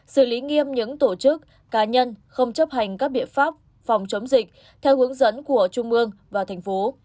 xử lý nghiêm những tổ chức cá nhân không chấp hành các biện pháp phòng chống dịch theo hướng dẫn của trung ương và thành phố